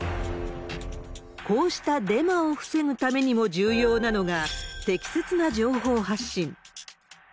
こうしたデマを防ぐためにも重要なのが、適切な情報発信。